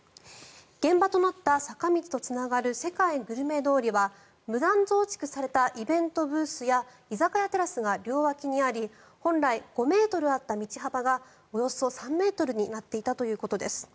現場となった坂道とつながる世界グルメ通りは無断増築されたイベントブースや居酒屋テラスが両脇にあり本来５ｍあった道幅がおよそ３ｍになっていたということです。